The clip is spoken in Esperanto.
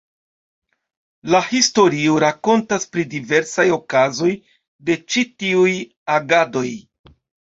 La historio rakontas pri diversaj okazoj de ĉi tiuj agadoj.